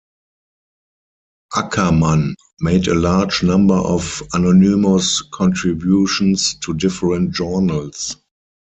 Ackermann made a large number of anonymous contributions to different journals.